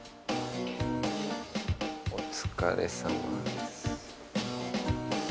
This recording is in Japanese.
「お疲れさまです」。